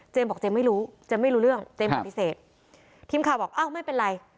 บอกเจมส์ไม่รู้เจมส์ไม่รู้เรื่องเจมส์ปฏิเสธทีมข่าวบอกอ้าวไม่เป็นไร